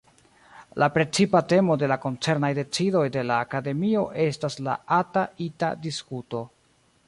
La precipa temo de la koncernaj decidoj de la Akademio estas la ata-ita-diskuto.